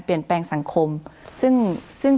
คุณปริณาค่ะหลังจากนี้จะเกิดอะไรขึ้นอีกได้บ้าง